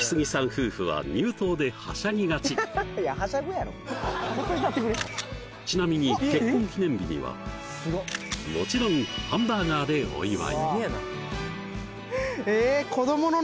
夫婦は入刀ではしゃぎがちちなみに結婚記念日にはもちろんハンバーガーでお祝いえ